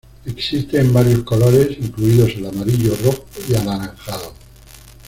Existe en varios colores incluidos el amarillo, rojo y anaranjado.